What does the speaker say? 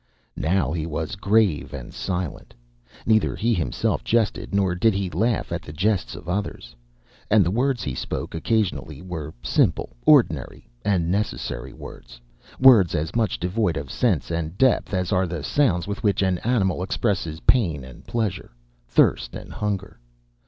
Now he was grave and silent; neither he himself jested nor did he laugh at the jests of others; and the words he spoke occasionally were simple, ordinary and necessary words words as much devoid of sense and depth as are the sounds with which an animal expresses pain and pleasure, thirst and hunger.